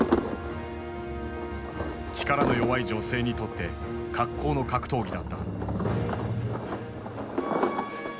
力の弱い女性にとって格好の格闘技だった。